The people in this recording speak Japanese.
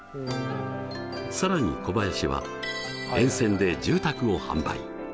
更に小林は沿線で住宅を販売。